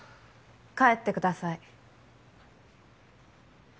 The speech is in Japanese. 帰ってください